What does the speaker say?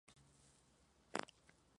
Las mariposas suelen nacer de noche.